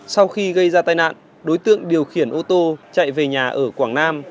sau khi gây ra tai nạn đối tượng điều khiển ô tô chạy về nhà ở quảng nam